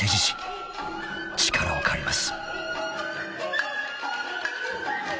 ［力を借ります］